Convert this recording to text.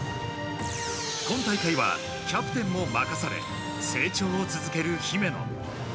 今大会はキャプテンも任され成長を続ける姫野。